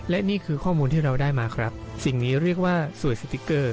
และนี่คือข้อมูลที่เราได้มาครับสิ่งนี้เรียกว่าสวยสติ๊กเกอร์